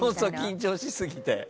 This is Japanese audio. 緊張しすぎて。